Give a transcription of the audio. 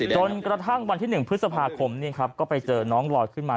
จนกระทั่งวันที่๑พฤษภาคมก็ไปเจอน้องลอยขึ้นมา